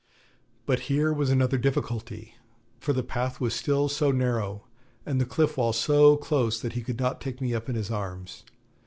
But here was another difficulty, for the path was still so narrow and the cliff wall so close that he could not take me up in his arms.